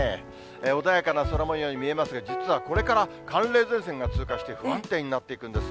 穏やかな空もように見えますけど、実はこれから寒冷前線が通過していって、不安定になっていくんです。